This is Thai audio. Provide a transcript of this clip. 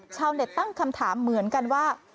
ชาวเน็ตตั้งคำถามเหมือนกันว่า